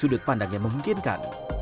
sudut pandang yang memungkinkan